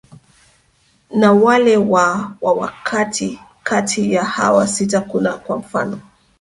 na wale wa wa katikati ya hawa sita kuna kwa mfano